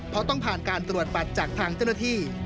เพราะต้องผ่านการตรวจบัตรจากทางเจ้าหน้าที่